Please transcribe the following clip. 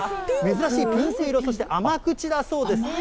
珍しいピンク色して、甘口だそうです。